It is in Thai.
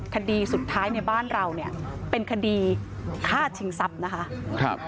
คดีสุดท้ายในบ้านเราเนี่ยเป็นคดีฆ่าชิงทรัพย์นะคะ